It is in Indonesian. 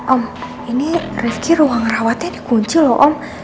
om ini rifki ruang rawatnya dikunci loh om